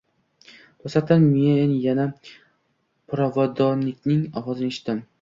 Toʻsatdan men yana provodnikning ovozini eshitdim.